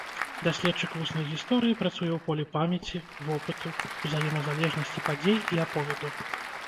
Даследчык вуснай гісторыі працуе ў полі памяці, вопыту, узаемазалежнасці падзей і аповеду.